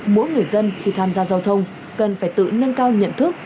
mỗi người dân khi tham gia giao thông cần phải tự nâng cao nhận thức